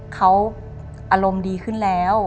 เขาอารมณ์ดีขึ้นแล้ว